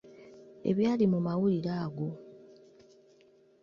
Ebyali mu mawulire ago.